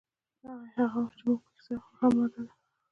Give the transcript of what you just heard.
ایا هغه هوا چې موږ پکې ساه اخلو هم ماده ده